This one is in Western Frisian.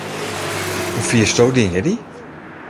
Hoe fiersto dyn jierdei?